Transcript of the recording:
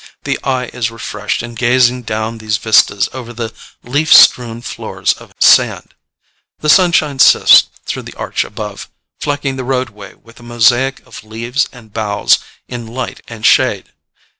The eye is refreshed in gazing down these vistas over the leaf strewn floors of sand. The sunshine sifts through the arch above, flecking the roadway with a mosaic of leaves and boughs in light and shade.